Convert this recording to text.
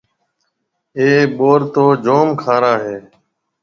اَي ٻُور تو جوم کارا هيَ۔